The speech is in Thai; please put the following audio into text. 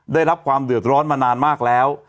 ได้รับความเดือดร้อนมานานมากแล้ว